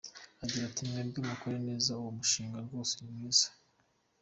Agira ati “Mwebwe mukore neza uwo mushinga rwose ni mwiza.